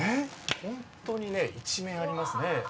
本当に一面ありますね。